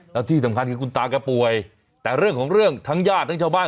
แล้วที่สำคัญคือคุณตาแกป่วยแต่เรื่องของเรื่องทั้งญาติทั้งชาวบ้าน